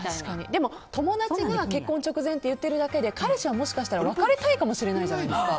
でも友達が結婚直前と言ってるだけで彼氏はもしかしたら別れたいかもしれないじゃないですか。